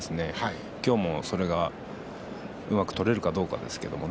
今日も、それがうまく取れるかどうかですけれどもね。